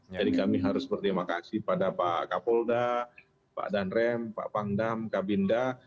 jadi kami harus berterima kasih pada pak kapolda pak danrem pak pangdam kak binda